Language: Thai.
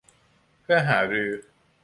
เพื่อหารือ